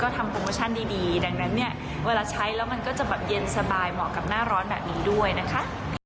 ทำโปรโมชั่นดีดังนั้นเนี่ยเวลาใช้แล้วมันก็จะแบบเย็นสบายเหมาะกับหน้าร้อนแบบนี้ด้วยนะคะ